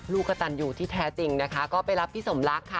กระตันอยู่ที่แท้จริงนะคะก็ไปรับพี่สมรักค่ะ